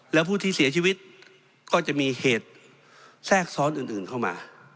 แล้วผู้ที่เสียชีวิตก็จะมีเหตุแทรกซ้อนอื่นเข้ามา